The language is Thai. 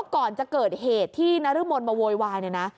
ตอนเกิดเหตุที่นารูมนม้าโวยวาย